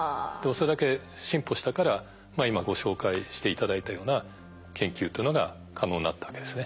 それだけ進歩したから今ご紹介して頂いたような研究というのが可能になったわけですね。